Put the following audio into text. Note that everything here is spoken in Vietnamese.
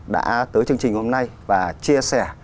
đã tới chương trình hôm nay và chia sẻ